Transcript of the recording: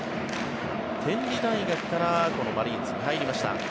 天理大学からこのマリーンズに入りました。